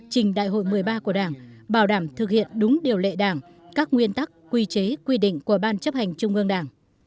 trình đại hội một mươi ba của đảng bảo đảm thực hiện đúng điều lệ đảng các nguyên tắc quy chế quy định của ban chấp hành trung ương đảng